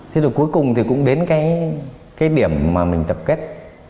thế rồi cuối cùng thì cũng đến cái điểm mà mình tập kết